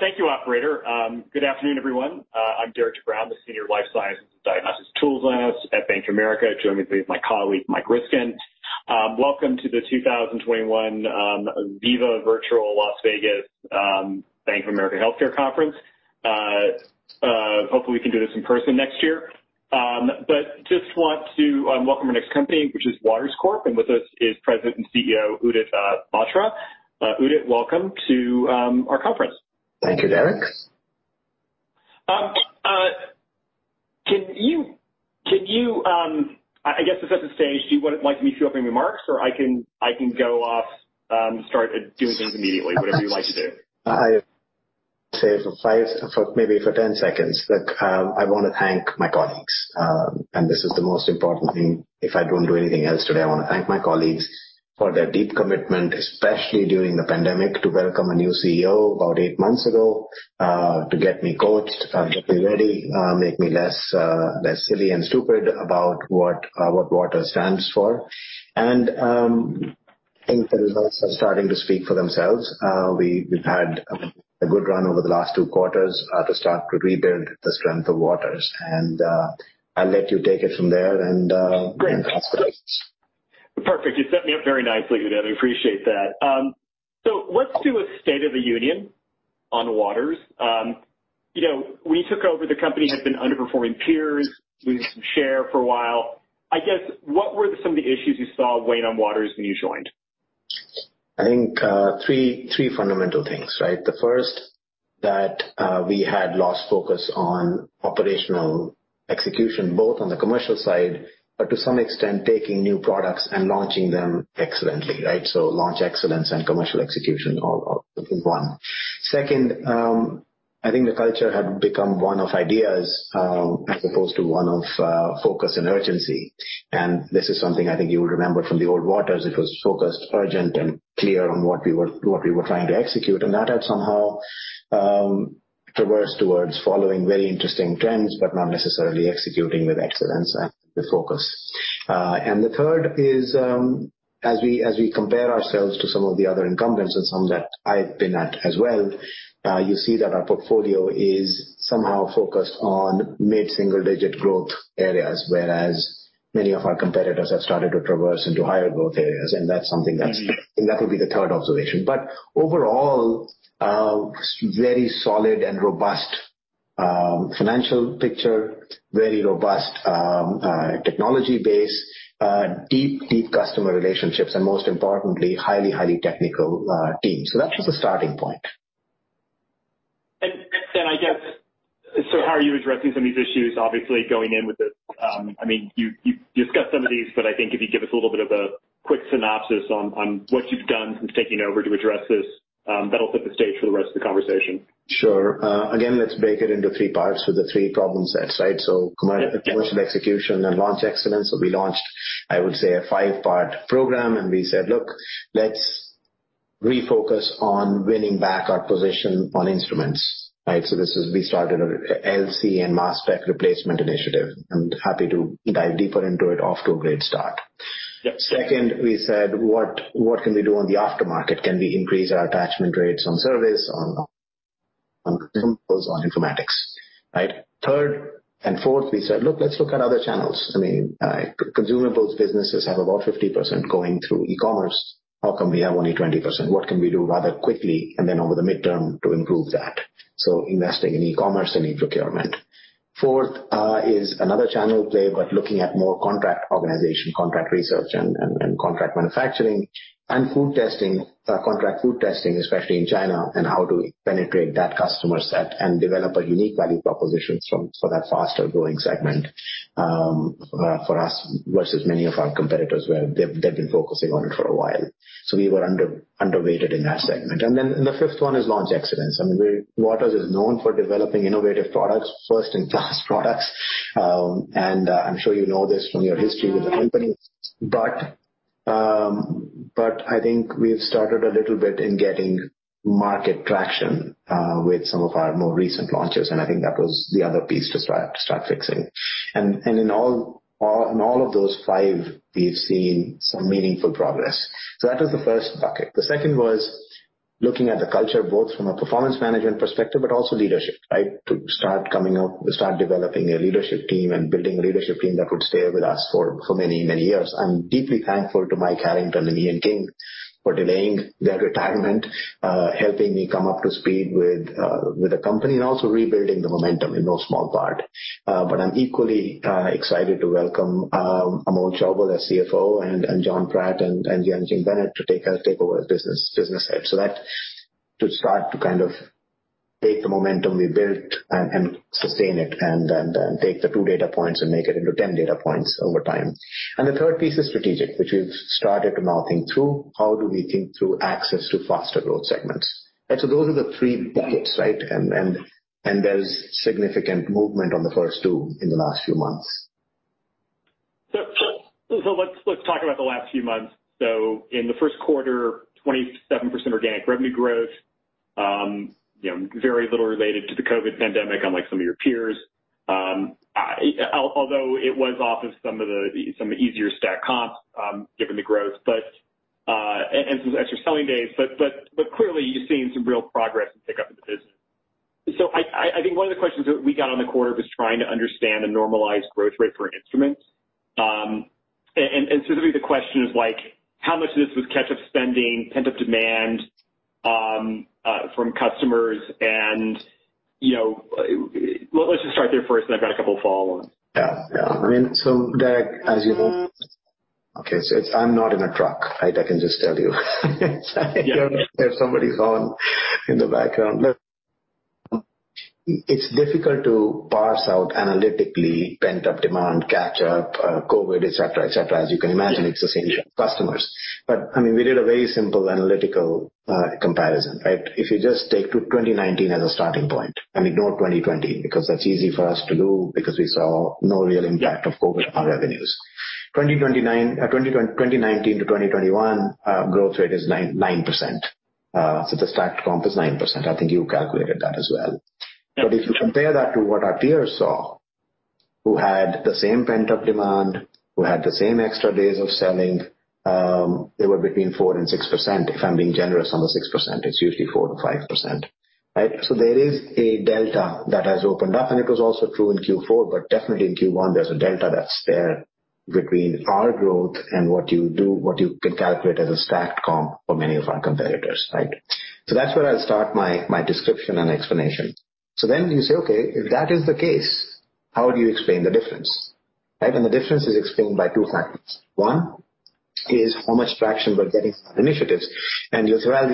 Thank you, Operator. Good afternoon, everyone. I'm Derik de Bruin, the Senior Life Sciences and Diagnostic Tools Analyst at Bank of America, joined today by my colleague, Mike Ryskin. Welcome to the 2021 Viva Virtual Las Vegas Bank of America Health Care Conference. Hopefully, we can do this in person next year. But just want to welcome our next company, which is Waters Corp, and with us is President and CEO Udit Batra. Udit, welcome to our conference. Thank you, Derik. Can you, I guess, set the stage? Do you like me to open remarks, or I can go off and start doing things immediately, whatever you'd like to do? I'll say for maybe 10 seconds that I want to thank my colleagues. And this is the most important thing. If I don't do anything else today, I want to thank my colleagues for their deep commitment, especially during the pandemic, to welcome a new CEO about eight months ago, to get me coached, to get me ready, make me less silly and stupid about what Waters stands for. And I think the results are starting to speak for themselves. We've had a good run over the last two quarters to start to rebuild the strength of Waters. And I'll let you take it from there and ask questions. Perfect. You set me up very nicely, Udit. I appreciate that. So let's do a State of the Union on Waters. When you took over, the company had been underperforming peers, losing some share for a while. I guess, what were some of the issues you saw weighing on Waters when you joined? I think three fundamental things, right? The first, that we had lost focus on operational execution, both on the commercial side, but to some extent, taking new products and launching them excellently, right? So launch excellence and commercial execution all in one. Second, I think the culture had become one of ideas as opposed to one of focus and urgency. And this is something I think you will remember from the old Waters. It was focused, urgent, and clear on what we were trying to execute. And that had somehow traversed towards following very interesting trends, but not necessarily executing with excellence and the focus. And the third is, as we compare ourselves to some of the other incumbents and some that I've been at as well, you see that our portfolio is somehow focused on mid-single-digit growth areas, whereas many of our competitors have started to traverse into higher growth areas. And that's something that would be the third observation. But overall, very solid and robust financial picture, very robust technology base, deep, deep customer relationships, and most importantly, highly, highly technical teams. So that was the starting point. And I guess, so how are you addressing some of these issues? Obviously, going in with the, I mean, you've discussed some of these, but I think if you give us a little bit of a quick synopsis on what you've done since taking over to address this, that'll set the stage for the rest of the conversation. Sure. Again, let's break it into three parts with the three problem sets, right? So commercial execution and launch excellence. So we launched, I would say, a five-part program, and we said, "Look, let's refocus on winning back our position on instruments." Right? So this is. We started an LC-MS mass spectrometry initiative. I'm happy to dive deeper into it. It's off to a great start. Second, we said, "What can we do on the aftermarket? Can we increase our attachment rates on service, on consumables, on informatics?" Right? Third and fourth, we said, "Look, let's look at other channels." I mean, consumables businesses have about 50% going through e-commerce. How come we have only 20%? What can we do rather quickly and then over the midterm to improve that? So investing in e-commerce and e-procurement. Fourth is another channel play, but looking at more contract organization, contract research, and contract manufacturing, and contract food testing, especially in China, and how to penetrate that customer set and develop a unique value proposition for that faster-growing segment for us versus many of our competitors where they've been focusing on it for a while. So we were underweight in that segment. And then the fifth one is launch excellence. I mean, Waters is known for developing innovative products, first-in-class products. And I'm sure you know this from your history with the company. But I think we've started a little bit in getting market traction with some of our more recent launches. And I think that was the other piece to start fixing. And in all of those five, we've seen some meaningful progress. So that was the first bucket. The second was looking at the culture, both from a performance management perspective, but also leadership, right? To start coming up, start developing a leadership team and building a leadership team that would stay with us for many, many years. I'm deeply thankful to Mike Harrington and Ian King for delaying their retirement, helping me come up to speed with the company, and also rebuilding the momentum in no small part. But I'm equally excited to welcome Amol Chaubal as CFO and Jon Pratt and Jianqing Bennett to take over as business head. So that to start to kind of take the momentum we built and sustain it and then take the two data points and make it into 10 data points over time. And the third piece is strategic, which we've started to now think through. How do we think through access to faster growth segments? And so those are the three buckets, right? And there's significant movement on the first two in the last few months. So let's talk about the last few months. So in the first quarter, 27% organic revenue growth, very little related to the COVID pandemic, unlike some of your peers, although it was off of some of the easier stack comps given the growth, and some extra selling days. But clearly, you've seen some real progress and pickup in the business. So I think one of the questions that we got on the quarter was trying to understand a normalized growth rate for instruments. And specifically, the question is like, how much of this was catch-up spending, pent-up demand from customers? And let's just start there first, and I've got a couple of follow-ons. Yeah. Yeah. I mean, so Derik, as you know, okay, so I'm not in a truck, right? I can just tell you. If somebody's on in the background, it's difficult to parse out analytically pent-up demand, catch-up, COVID, etc., etc. As you can imagine, it's the same customers. But I mean, we did a very simple analytical comparison, right? If you just take 2019 as a starting point, I mean, no 2020, because that's easy for us to do because we saw no real impact of COVID on revenues. 2019-2021, growth rate is 9%. So the stacked comp is 9%. I think you calculated that as well. But if you compare that to what our peers saw, who had the same pent-up demand, who had the same extra days of selling, they were between 4% and 6%. If I'm being generous, on the 6%, it's usually 4%-5%, right? So there is a delta that has opened up. And it was also true in Q4, but definitely in Q1, there's a delta that's there between our growth and what you can calculate as a stacked comp for many of our competitors, right? So that's where I'll start my description and explanation. So then you say, "Okay, if that is the case, how do you explain the difference?" Right? And the difference is explained by two factors. One is how much traction we're getting on initiatives. And you'll say, "Well,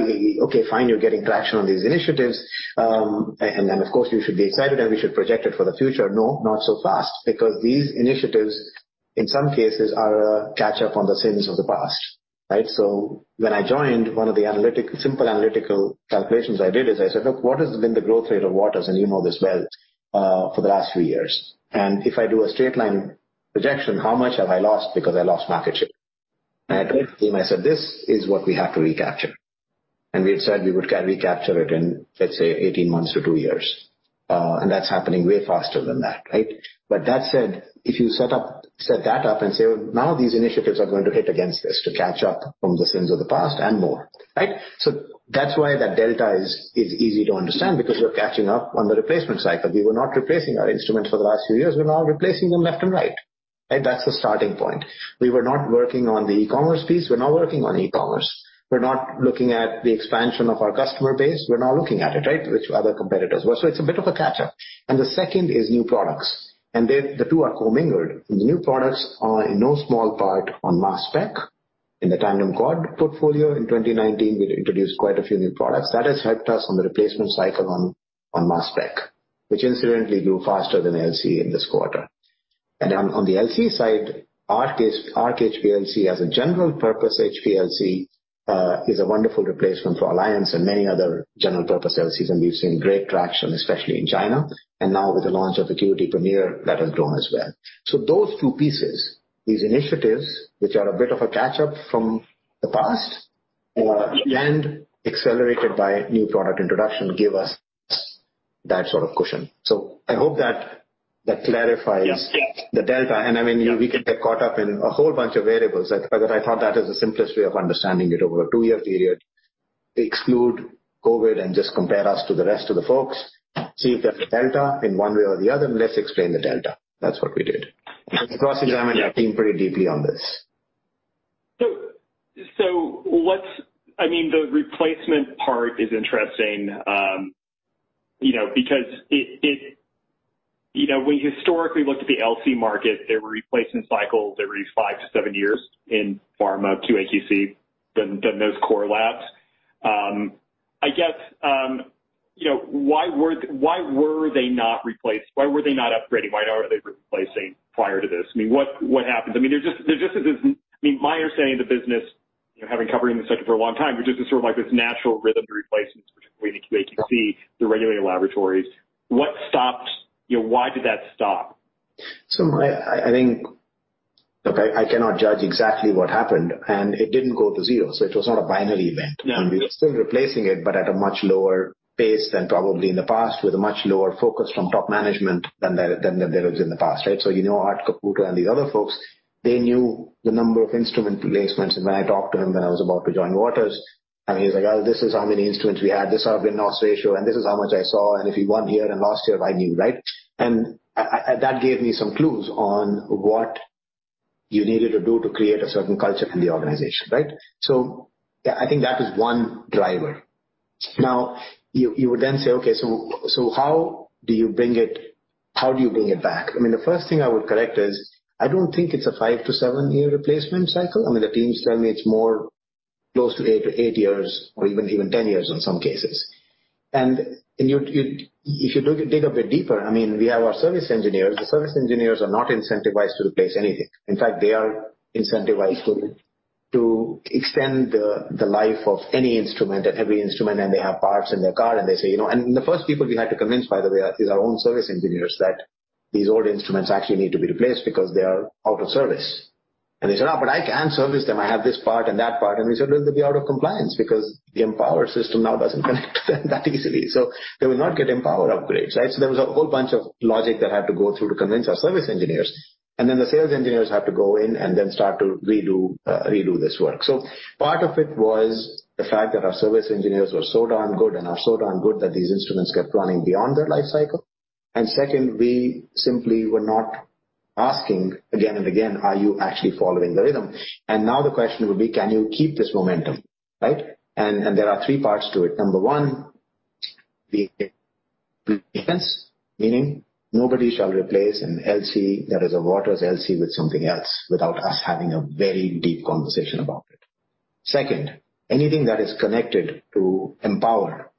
okay, fine, you're getting traction on these initiatives. And then, of course, we should be excited and we should project it for the future." No, not so fast, because these initiatives, in some cases, are a catch-up on the sins of the past, right? So when I joined, one of the simple analytical calculations I did is I said, "Look, what has been the growth rate of Waters?" And you know this well for the last few years. And if I do a straight-line projection, how much have I lost because I lost market share? And I told the team, I said, "This is what we have to recapture." And we had said we would recapture it in, let's say, 18 months to two years. And that's happening way faster than that, right? But that said, if you set that up and say, "Now these initiatives are going to hit against this to catch up from the sins of the past and more," right? So that's why that delta is easy to understand because we're catching up on the replacement cycle. We were not replacing our instruments for the last few years. We're now replacing them left and right, right? That's the starting point. We were not working on the e-commerce piece. We're now working on e-commerce. We're not looking at the expansion of our customer base. We're now looking at it, right? Which other competitors were? So it's a bit of a catch-up. And the second is new products. And the two are co-mingled. The new products are in no small part on mass spec in the tandem quad portfolio. In 2019, we introduced quite a few new products. That has helped us on the replacement cycle on mass spec, which incidentally grew faster than LC in this quarter. And on the LC side, Arc HPLC as a general-purpose HPLC is a wonderful replacement for Alliance and many other general-purpose LCs. And we've seen great traction, especially in China. Now with the launch of the ACQUITY Premier, that has grown as well. So those two pieces, these initiatives, which are a bit of a catch-up from the past and accelerated by new product introduction, give us that sort of cushion. So I hope that clarifies the delta. And I mean, we can get caught up in a whole bunch of variables. I thought that is the simplest way of understanding it over a two-year period. Exclude COVID and just compare us to the rest of the folks, see if there's a delta in one way or the other. Let's explain the delta. That's what we did. Cross-examined our team pretty deeply on this. So I mean, the replacement part is interesting because when you historically looked at the LC market, there were replacement cycles. There were five-to-seven years in Pharma QA/QC, then those core labs. I guess, why were they not replaced? Why were they not upgrading? Why are they replacing prior to this? I mean, what happened? I mean, there just is this—I mean, my understanding of the business, having covered in this sector for a long time, there's just sort of like this natural rhythm to replacements, particularly in the QA/QC, the regulatory laboratories. What stopped? Why did that stop? So I think, look, I cannot judge exactly what happened. And it didn't go to zero. So it was not a binary event. And we were still replacing it, but at a much lower pace than probably in the past, with a much lower focus from top management than there was in the past, right? So you know Art Caputo and these other folks, they knew the number of instrument replacements. And when I talked to him, when I was about to join Waters, I mean, he's like, "Oh, this is how many instruments we had. This is our win-loss ratio. And this is how much I saw. And if you won here and lost here, I knew," right? And that gave me some clues on what you needed to do to create a certain culture in the organization, right? So I think that was one driver. Now, you would then say, "Okay, so how do you bring it? How do you bring it back?" I mean, the first thing I would correct is I don't think it's a five to seven-year replacement cycle. I mean, the teams tell me it's more close to eight years or even 10 years in some cases. And if you dig a bit deeper, I mean, we have our service engineers. The service engineers are not incentivized to replace anything. In fact, they are incentivized to extend the life of any instrument and every instrument. And they have parts in their car. And they say, and the first people we had to convince, by the way, is our own service engineers that these old instruments actually need to be replaced because they are out of service. And they said, "Oh, but I can service them. I have this part and that part." And we said, "Well, they'll be out of compliance because the Empower system now doesn't connect to them that easily." So they will not get Empower upgrades, right? So there was a whole bunch of logic that had to go through to convince our service engineers. And then the sales engineers had to go in and then start to redo this work. So part of it was the fact that our service engineers were so darn good and are so darn good that these instruments kept running beyond their life cycle. And second, we simply were not asking again and again, "Are you actually following the rhythm?" And now the question would be, "Can you keep this momentum?" Right? And there are three parts to it. Number one, the replacements, meaning nobody shall replace an LC that is a Waters LC with something else without us having a very deep conversation about it. Second, anything that is connected to Empower,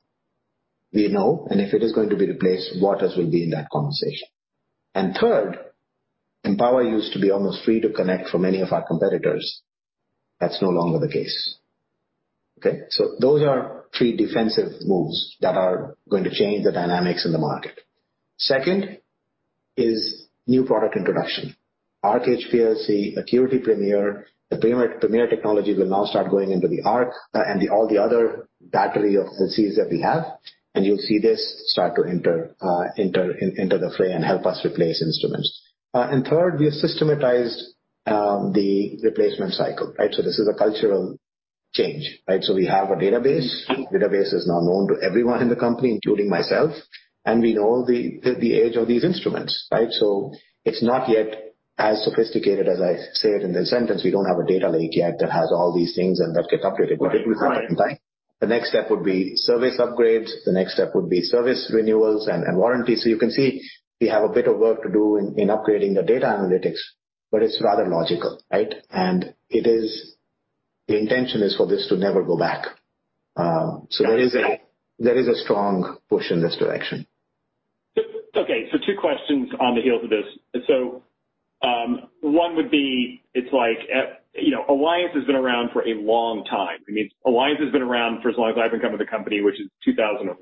we know. And if it is going to be replaced, Waters will be in that conversation. And third, Empower used to be almost free to connect from any of our competitors. That's no longer the case. Okay? So those are three defensive moves that are going to change the dynamics in the market. Second is new product introduction. Arc HPLC, an ACQUITY Premier, the Premier technology will now start going into the Arc and all the other battery of LCs that we have. And you'll see this start to enter the fray and help us replace instruments. And third, we have systematized the replacement cycle, right? So this is a cultural change, right? So we have a database. Database is now known to everyone in the company, including myself, and we know the age of these instruments, right, so it's not yet as sophisticated as I say it in this sentence. We don't have a data lake yet that has all these things and that get updated with the current time. The next step would be service upgrades. The next step would be service renewals and warranties, so you can see we have a bit of work to do in upgrading the data analytics, but it's rather logical, right, and the intention is for this to never go back, so there is a strong push in this direction. Okay. So two questions on the heels of this. So one would be, it's like Alliance has been around for a long time. I mean, Alliance has been around for as long as I've been coming to the company, which is 2001,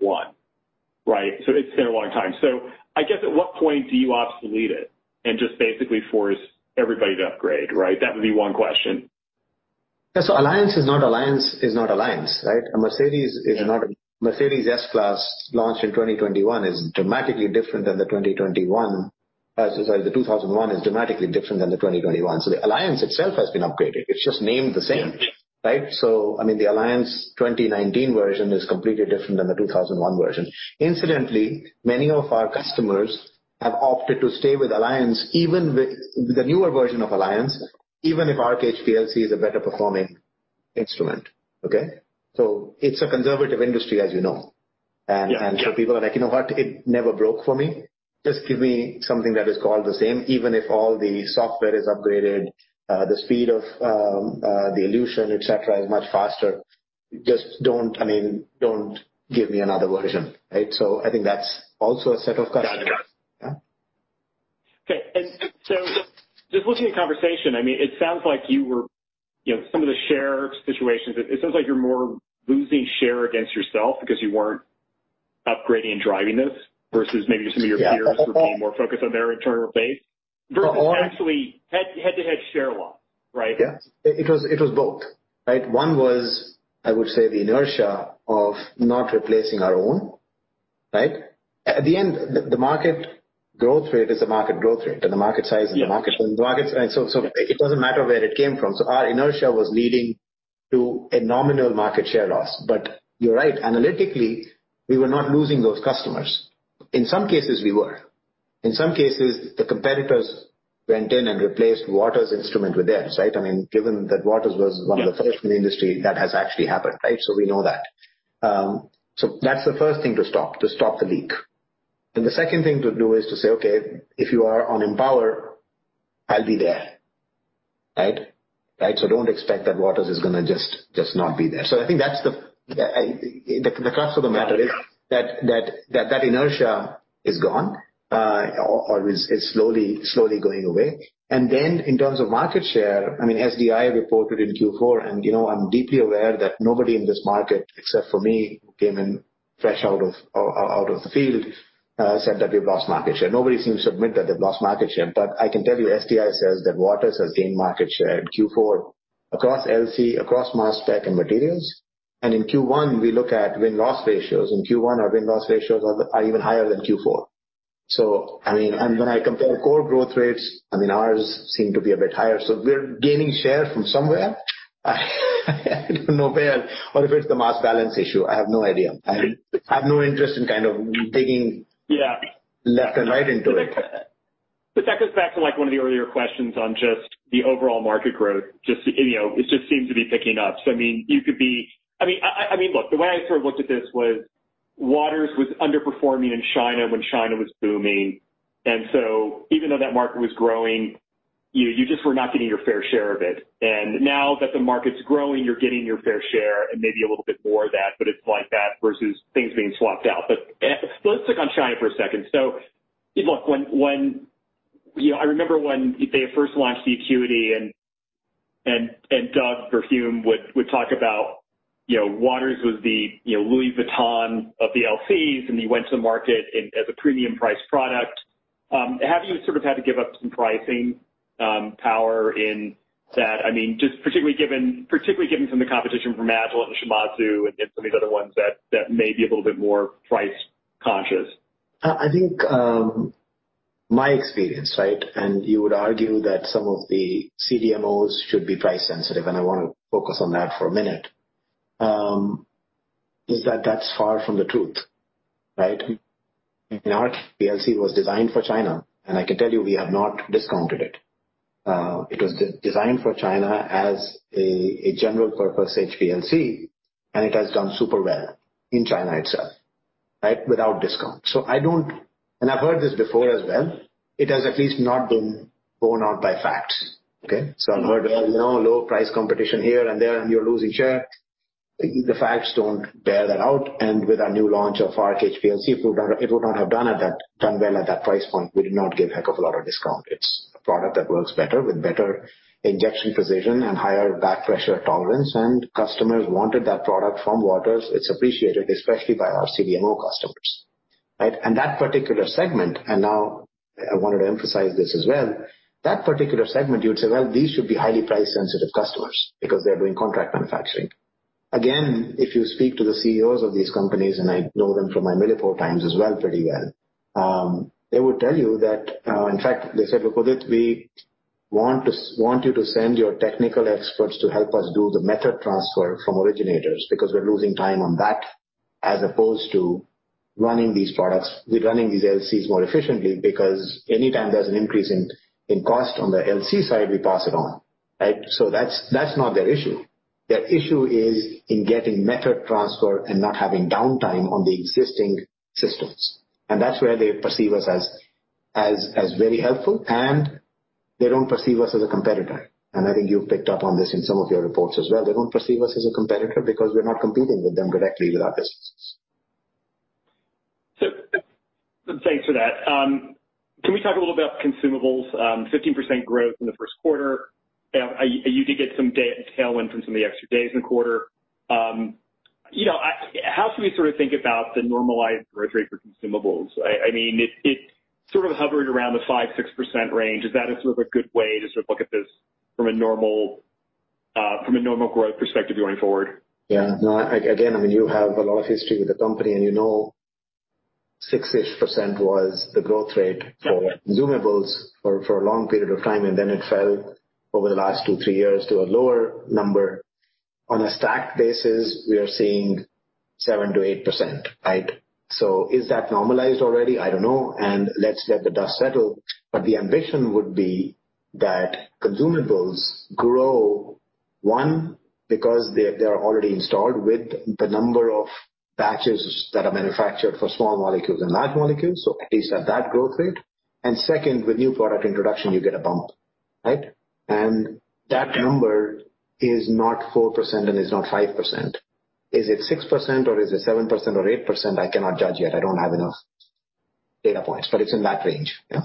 right? So it's been a long time. So I guess at what point do you obsolete it and just basically force everybody to upgrade, right? That would be one question. Yeah. So Alliance is not Alliance, right? A Mercedes S-Class launched in 2021 is dramatically different than the 2001. Sorry, the 2001 is dramatically different than the 2021. So the Alliance itself has been upgraded. It's just named the same, right? So I mean, the Alliance 2019 version is completely different than the 2001 version. Incidentally, many of our customers have opted to stay with Alliance, even with the newer version of Alliance, even if Arc HPLC is a better performing instrument, okay? So it's a conservative industry, as you know. And so people are like, "You know what? It never broke for me. Just give me something that is called the same, even if all the software is upgraded, the speed of the elution, etc., is much faster. Just don't, I mean, don't give me another version," right? I think that's also a set of customers. Got it. Okay. And so just looking at the conversation, I mean, it sounds like in some of the share situations, it sounds like you're more losing share against yourself because you weren't upgrading and driving this versus maybe some of your peers were paying more focus on their internal base versus actually head-to-head share loss, right? Yeah. It was both, right? One was, I would say, the inertia of not replacing our own, right? At the end, the market growth rate is a market growth rate and the market size in the market. And so it doesn't matter where it came from. So our inertia was leading to a nominal market share loss. But you're right. Analytically, we were not losing those customers. In some cases, we were. In some cases, the competitors went in and replaced Waters instrument with theirs, right? I mean, given that Waters was one of the first in the industry, that has actually happened, right? So we know that. So that's the first thing to stop, to stop the leak. And the second thing to do is to say, "Okay, if you are on Empower, I'll be there," right? Right? So don't expect that Waters is going to just not be there. So I think that's the crux of the matter is that that inertia is gone or is slowly going away. And then in terms of market share, I mean, SDI reported in Q4. And I'm deeply aware that nobody in this market, except for me who came in fresh out of the field, said that we've lost market share. Nobody seems to admit that they've lost market share. But I can tell you SDI says that Waters has gained market share in Q4 across LC, across mass spec and materials. And in Q1, we look at win-loss ratios. In Q1, our win-loss ratios are even higher than Q4. So I mean, and when I compare core growth rates, I mean, ours seem to be a bit higher. So we're gaining share from somewhere. I don't know where, or if it's the mass balance issue. I have no idea. I have no interest in kind of digging left and right into it. But that goes back to one of the earlier questions on just the overall market growth. It just seems to be picking up. So I mean, you could be. I mean, look, the way I sort of looked at this was Waters was underperforming in China when China was booming. And so even though that market was growing, you just were not getting your fair share of it. And now that the market's growing, you're getting your fair share and maybe a little bit more of that, but it's like that versus things being swapped out. But let's stick on China for a second. So look, I remember when they first launched the ACQUITY and Doug Berthiaume would talk about Waters was the Louis Vuitton of the LCs and he went to the market as a premium-priced product. Have you sort of had to give up some pricing power in that? I mean, just particularly given some of the competition from Agilent and Shimadzu and some of these other ones that may be a little bit more price-conscious. I think my experience, right? And you would argue that some of the CDMOs should be price-sensitive. And I want to focus on that for a minute, is that that's far from the truth, right? I mean, Arc HPLC was designed for China. And I can tell you we have not discounted it. It was designed for China as a general-purpose HPLC. And it has done super well in China itself, right, without discount. So I don't, and I've heard this before as well. It has at least not been borne out by facts, okay? So I've heard, "Well, you know, low price competition here and there, and you're losing share." The facts don't bear that out. And with our new launch of Arc HPLC, it would not have done well at that price point. We did not give heck of a lot of discount. It's a product that works better with better injection precision and higher back pressure tolerance. And customers wanted that product from Waters. It's appreciated, especially by our CDMO customers, right? And that particular segment, and now I wanted to emphasize this as well, that particular segment, you would say, "Well, these should be highly price-sensitive customers because they're doing contract manufacturing." Again, if you speak to the CEOs of these companies, and I know them from my military times as well pretty well, they would tell you that, in fact, they said, "Look, Udit, we want you to send your technical experts to help us do the method transfer from originators because we're losing time on that as opposed to running these products. We're running these LCs more efficiently because anytime there's an increase in cost on the LC side, we pass it on," right? So that's not their issue. Their issue is in getting method transfer and not having downtime on the existing systems. And that's where they perceive us as very helpful. And they don't perceive us as a competitor. And I think you've picked up on this in some of your reports as well. They don't perceive us as a competitor because we're not competing with them directly with our businesses. So thanks for that. Can we talk a little bit about consumables? 15% growth in the first quarter. You did get some tailwind from some of the extra days in the quarter. How should we sort of think about the normalized growth rate for consumables? I mean, it sort of hovered around the 5%-6% range. Is that a sort of a good way to sort of look at this from a normal growth perspective going forward? Yeah. No, again, I mean, you have a lot of history with the company. And you know 6-ish% was the growth rate for consumables for a long period of time. And then it fell over the last two, three years to a lower number. On a stacked basis, we are seeing 7%-8%, right? So is that normalized already? I don't know. And let's let the dust settle. But the ambition would be that consumables grow, one, because they are already installed with the number of batches that are manufactured for small molecules and large molecules, so at least at that growth rate. And second, with new product introduction, you get a bump, right? And that number is not 4% and is not 5%. Is it 6% or is it 7% or 8%? I cannot judge yet. I don't have enough data points. But it's in that range, yeah?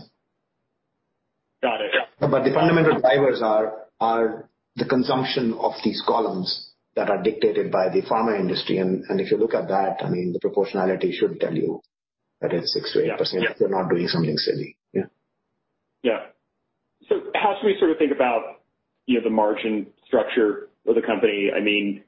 Got it. But the fundamental drivers are the consumption of these columns that are dictated by the pharma industry. And if you look at that, I mean, the proportionality should tell you that it's 6%-8% if you're not doing something silly, yeah? Yeah. So how should we sort of think about the margin structure of the company? I mean,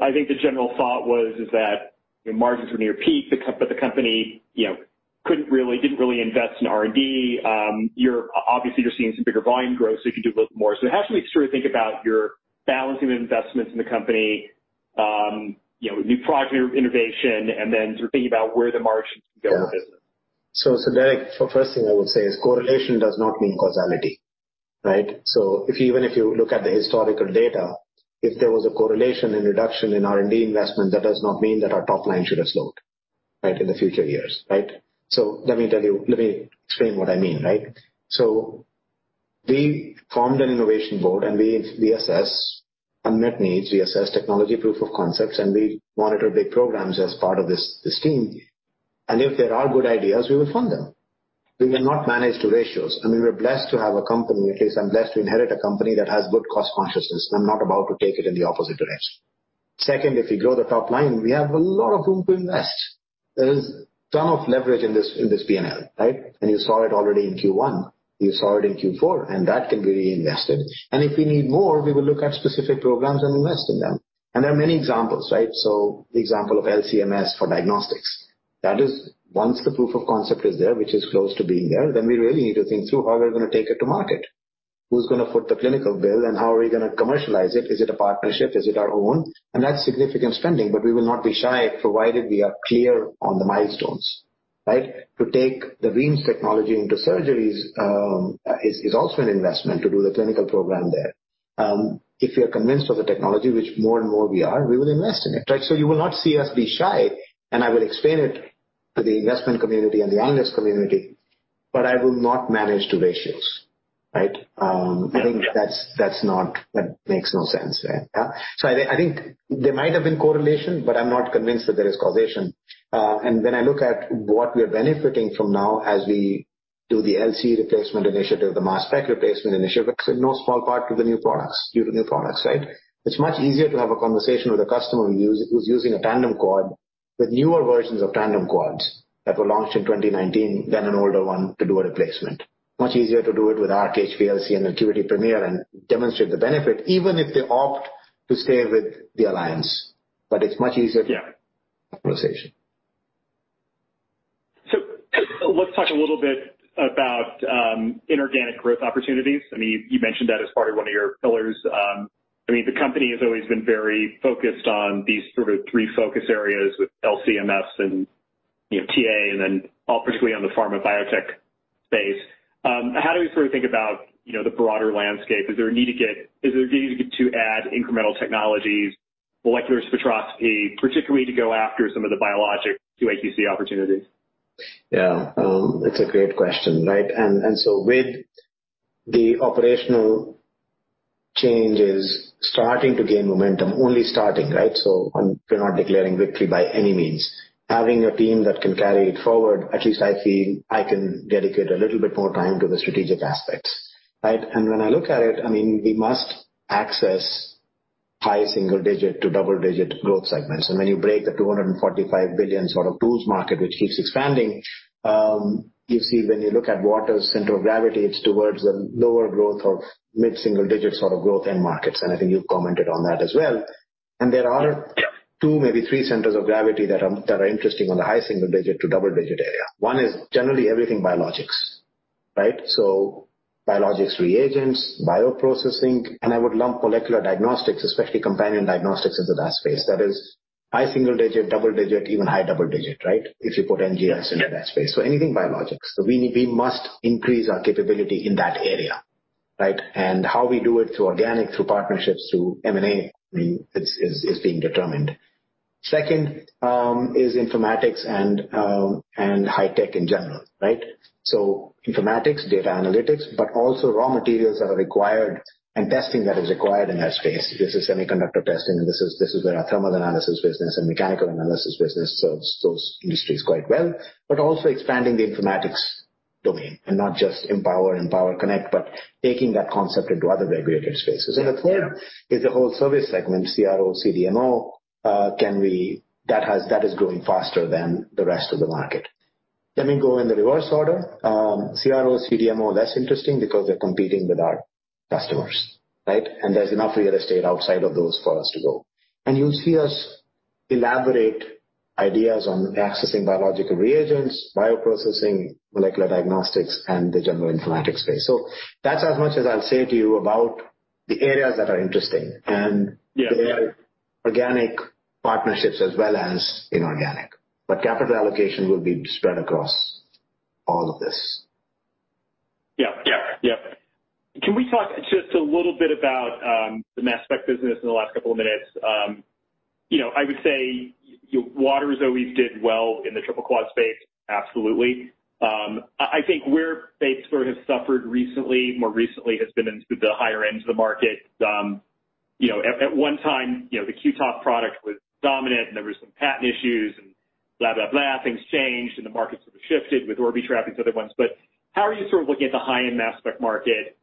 I think the general thought was that margins were near peak, but the company didn't really invest in R&D. Obviously, you're seeing some bigger volume growth, so you can do a little bit more. So how should we sort of think about your balancing of investments in the company, new product innovation, and then sort of thinking about where the margins can go in the business? So for first thing, I would say is correlation does not mean causality, right? So even if you look at the historical data, if there was a correlation in reduction in R&D investment, that does not mean that our top line should have slowed, right, in the future years, right? So let me tell you, let me explain what I mean, right? So we formed an innovation board, and we assess unmet needs. We assess technology proof of concepts, and we monitor big programs as part of this team. And if there are good ideas, we will fund them. We will not manage the ratios. I mean, we're blessed to have a company, at least I'm blessed to inherit a company that has good cost consciousness. I'm not about to take it in the opposite direction. Second, if we grow the top line, we have a lot of room to invest. There is a ton of leverage in this P&L, right, and you saw it already in Q1. You saw it in Q4, and that can be reinvested, and if we need more, we will look at specific programs and invest in them, and there are many examples, right, so the example of LC-MS for diagnostics. That is, once the proof of concept is there, which is close to being there, then we really need to think through how we're going to take it to market. Who's going to foot the clinical bill, and how are we going to commercialize it? Is it a partnership? Is it our own, and that's significant spending, but we will not be shy, provided we are clear on the milestones, right, to take the REIMS technology into surgeries is also an investment to do the clinical program there. If we are convinced of the technology, which more and more we are, we will invest in it, right? So you will not see us be shy. And I will explain it to the investment community and the analyst community. But I will not manage the ratios, right? I think that's not—that makes no sense, right? So I think there might have been correlation, but I'm not convinced that there is causation. And when I look at what we are benefiting from now as we do the LC replacement initiative, the mass spec replacement initiative, it's in no small part to the new products, due to new products, right? It's much easier to have a conversation with a customer who's using a tandem quad with newer versions of tandem quads that were launched in 2019 than an older one to do a replacement. Much easier to do it with Arc HPLC and ACQUITY Premier and demonstrate the benefit, even if they opt to stay with the Alliance. But it's much easier to have that conversation. Let's talk a little bit about inorganic growth opportunities. I mean, you mentioned that as part of one of your pillars. I mean, the company has always been very focused on these sort of three focus areas with LC-MS and TA, and then all particularly on the pharma biotech space. How do we sort of think about the broader landscape? Is there a need to add incremental technologies, molecular spectroscopy, particularly to go after some of the biologic QA/QC opportunities? Yeah. It's a great question, right? And so with the operational changes starting to gain momentum, only starting, right? So we're not declaring victory by any means. Having a team that can carry it forward, at least I feel I can dedicate a little bit more time to the strategic aspects, right? And when I look at it, I mean, we must access high single-digit to double-digit growth segments. And when you break the $245 billion sort of tools market, which keeps expanding, you see when you look at Waters' center of gravity, it's towards the lower growth of mid-single-digit sort of growth end markets. And I think you've commented on that as well. And there are two, maybe three centers of gravity that are interesting on the high single-digit to double-digit area. One is generally everything biologics, right? So biologics reagents, bioprocessing, and I would lump molecular diagnostics, especially companion diagnostics into that space. That is high single-digit, double-digit, even high double-digit, right? If you put NGS into that space. So anything biologics. So we must increase our capability in that area, right? And how we do it through organic, through partnerships, through M&A, I mean, is being determined. Second is informatics and high tech in general, right? So informatics, data analytics, but also raw materials that are required and testing that is required in that space. This is semiconductor testing, and this is where our Thermal Analysis business and Mechanical Analysis business serves those industries quite well, but also expanding the informatics domain and not just Empower and waters_connect, but taking that concept into other regulated spaces. And the third is the whole service segment, CRO, CDMO. That is growing faster than the rest of the market. Let me go in the reverse order. CRO, CDMO, less interesting because they're competing with our customers, right, and there's enough real estate outside of those for us to go, and you'll see us elaborate ideas on accessing biological reagents, bioprocessing, molecular diagnostics, and the general informatics space. So that's as much as I'll say to you about the areas that are interesting, and there are organic partnerships as well as inorganic, but capital allocation will be spread across all of this. Yeah, yeah, yeah. Can we talk just a little bit about the mass spec business in the last couple of minutes? I would say Waters always did well in the triple quad space. Absolutely. I think where Waters has suffered more recently has been into the higher ends of the market. At one time, the Q-Tof product was dominant, and there were some patent issues and blah, blah, blah. Things changed, and the market sort of shifted with Orbitrap and some other ones. But how are you sort of looking at the high-end mass spec market,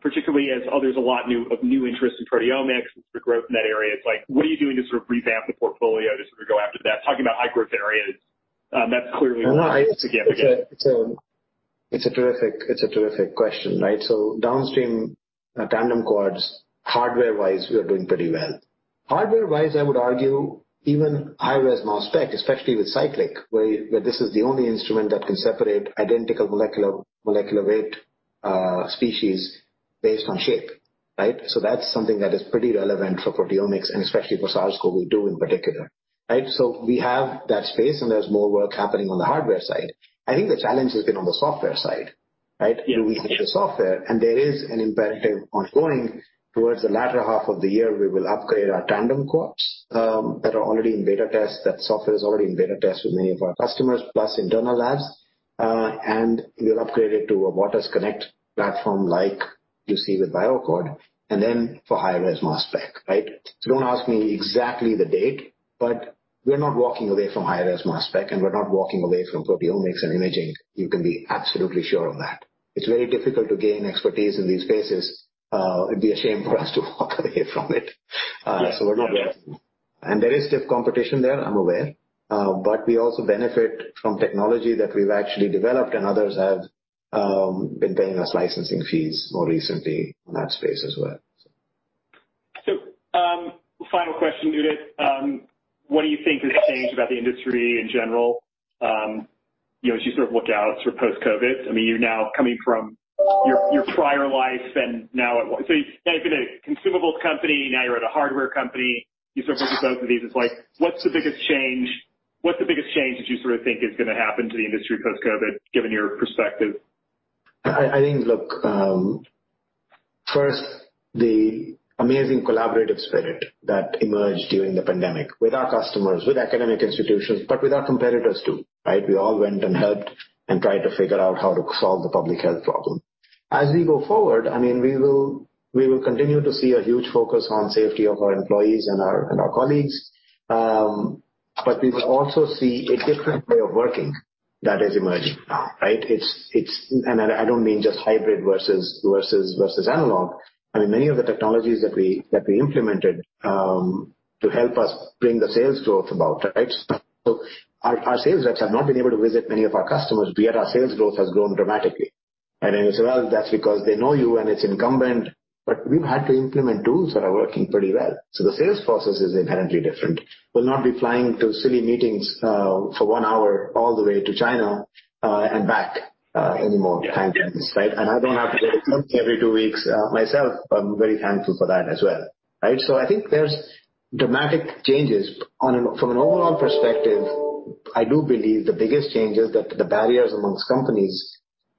particularly as there's a lot of new interest in proteomics and sort of growth in that area? It's like, what are you doing to sort of revamp the portfolio to sort of go after that? Talking about high-growth areas, that's clearly significant. It's a terrific question, right? So downstream tandem quads, hardware-wise, we are doing pretty well. Hardware-wise, I would argue even higher-res mass spec, especially with Cyclic, where this is the only instrument that can separate identical molecular weight species based on shape, right? So that's something that is pretty relevant for proteomics, and especially for SARS-CoV-2 in particular, right? So we have that space, and there's more work happening on the hardware side. I think the challenge has been on the software side, right? We need the software. And there is an imperative ongoing towards the latter half of the year. We will upgrade our tandem quads that are already in beta tests, that software is already in beta tests with many of our customers, plus internal labs. And we'll upgrade it to a waters_connect platform like you see with BioAccord, and then for higher-res mass spec, right? So don't ask me exactly the date, but we're not walking away from high-res mass spec, and we're not walking away from proteomics and imaging. You can be absolutely sure of that. It's very difficult to gain expertise in these spaces. It'd be a shame for us to walk away from it. So we're not reacting. And there is stiff competition there, I'm aware. But we also benefit from technology that we've actually developed, and others have been paying us licensing fees more recently in that space as well. So final question, Udit. What do you think has changed about the industry in general as you sort of look out sort of post-COVID? I mean, you're now coming from your prior life and now at—so now you've been a consumables company. Now you're at a hardware company. You sort of look at both of these. It's like, what's the biggest change? What's the biggest change that you sort of think is going to happen to the industry post-COVID, given your perspective? I think, look, first, the amazing collaborative spirit that emerged during the pandemic with our customers, with academic institutions, but with our competitors too, right? We all went and helped and tried to figure out how to solve the public health problem. As we go forward, I mean, we will continue to see a huge focus on safety of our employees and our colleagues, but we will also see a different way of working that is emerging now, right, and I don't mean just hybrid versus analog. I mean, many of the technologies that we implemented to help us bring the sales growth about, right, so our sales reps have not been able to visit many of our customers, yet our sales growth has grown dramatically, and they say, "Well, that's because they know you, and it's incumbent," but we've had to implement tools that are working pretty well. So the sales process is inherently different. We'll not be flying to silly meetings for one hour all the way to China and back anymore, right? And I don't have to go to every two weeks myself. I'm very thankful for that as well, right? So I think there's dramatic changes. From an overall perspective, I do believe the biggest change is that the barriers amongst companies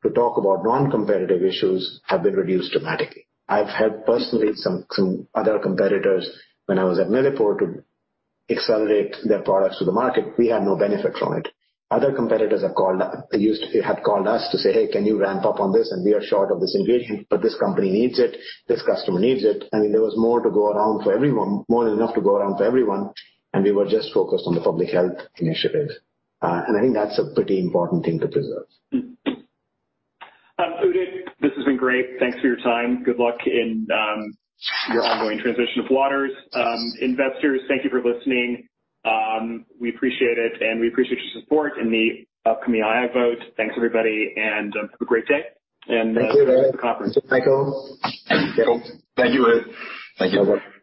to talk about non-competitive issues have been reduced dramatically. I've helped personally some other competitors when I was at MilliporeSigma to accelerate their products to the market. We had no benefit from it. Other competitors had called us to say, "Hey, can you ramp up on this?" And we are short of this ingredient, but this company needs it. This customer needs it. I mean, there was more to go around for everyone, more than enough to go around for everyone. We were just focused on the public health initiative. I think that's a pretty important thing to preserve. Udit, this has been great. Thanks for your time. Good luck in your ongoing transition of Waters. Investors, thank you for listening. We appreciate it, and we appreciate your support in the upcoming IR vote. Thanks, everybody, and have a great day and a great conference. Thank you, guys. Thank you, guys. Thank you. Thank you.